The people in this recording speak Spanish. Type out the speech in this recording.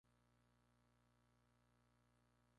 Sin embargo, son capturados por el Sr.